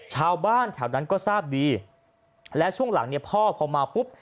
ชาวบ้านแถวนั้นก็ทราบดีและช่วงหลังเนี่ยพ่อพอมาปุ๊บ